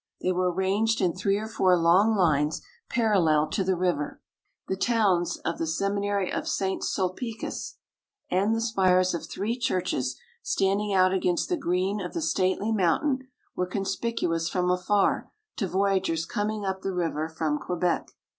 They were arranged in three or four long lines parallel to the river. The towers of the Seminary of St. Sulpicius and the spires of three churches, standing out against the green of the stately mountain, were conspicuous from afar to voyagers coming up the river from Quebec.